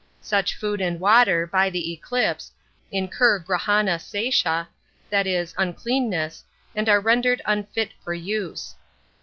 Such food and water, by the eclipse, incur Grahana seshah, that is, uncleanness, and are rendered unfit for use.